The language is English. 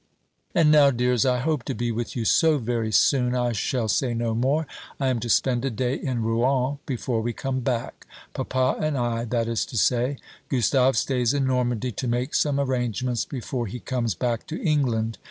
And now, dear, as I hope to be with you so very soon, I shall say no more. I am to spend a day in Rouen before we come back papa and I, that is to say; Gustave stays in Normandy to make some arrangements before he comes back to England.